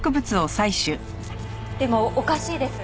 でもおかしいです。